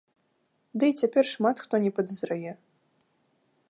Дый цяпер шмат хто не падазрае.